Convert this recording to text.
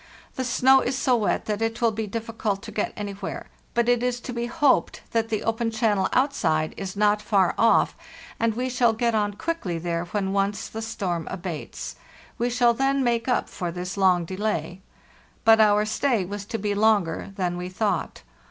The snow is so wet that it will be difficult to get anywhere; but it is to be hoped that the open channel outside is not far off, and we shall get on quickly there when once the storm abates. We shall then make up for this long delay." But our stay was to be longer than we thought.